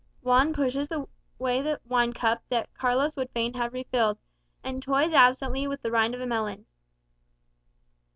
Juan pushes away the wine cup that Carlos would fain have refilled, and toys absently with the rind of a melon.